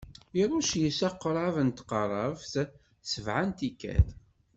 Iṛucc yes-s aɣrab n tqeṛṛabt sebɛa n tikkal.